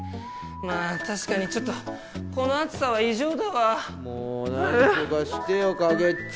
まあ確かにちょっとこの暑さは異常だわ。も何とかしてよ影っち！